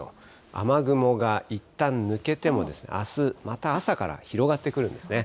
雨雲がいったん抜けても、あす、また朝から広がってくるんですね。